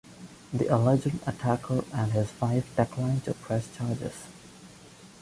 The alleged attacker and his wife declined to press charges.